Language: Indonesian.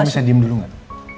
kamu bisa diem dulu gak